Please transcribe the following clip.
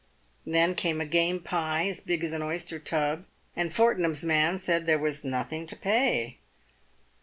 Then came a game pie, as big as an oyster tub, and Fortnum's man said there was nothing to pay.